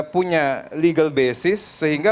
punya legal basis sehingga